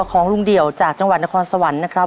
ของลุงเดี่ยวจากจังหวัดนครสวรรค์นะครับ